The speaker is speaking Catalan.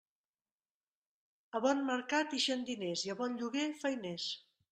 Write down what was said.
A bon mercat ixen diners i a bon lloguer, feiners.